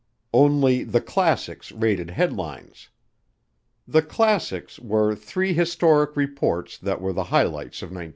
Only "The Classics" rated headlines. "The Classics" were three historic reports that were the highlights of 1948.